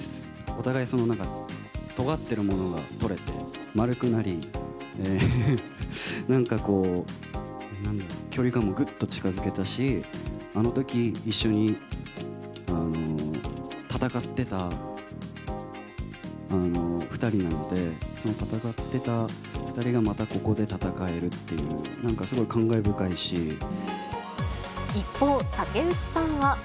お互い、そのなんかとがってるものが取れて丸くなり、なんかこう、距離感もぐっと近づけたし、あのとき、一緒に戦ってた２人なので、その戦ってた２人がまたここで戦えるっていう、なんかすごい感慨一方、竹内さんは。